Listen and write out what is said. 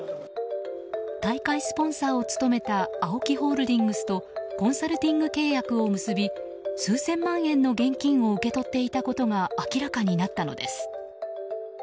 大会スポンサーを務めたＡＯＫＩホールディングスとコンサルティング契約を結び数千万円の現金を受け取っていたことが明らかになったのです。